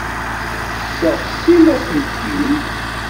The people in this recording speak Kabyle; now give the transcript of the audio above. Tesseɣsim aselkim.